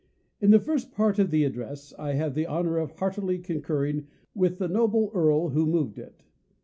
In the lirst part of the address, I have the' honor of heartily concurring with the noble Earl who moved it.